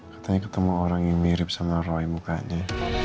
katanya ketemu orang yang mirip sama roy mukanya